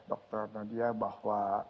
dokter nadia bahwa